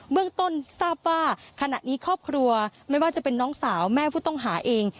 เมืองต้นทราบว่าขณะนี้ครอบครัวไม่ว่าจะเป็นน้องสาวแม่ผู้ต้องหาเอง